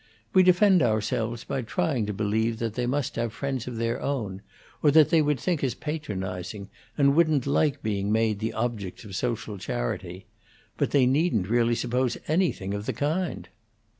"We defend ourselves by trying to believe that they must have friends of their own, or that they would think us patronizing, and wouldn't like being made the objects of social charity; but they needn't really suppose anything of the kind."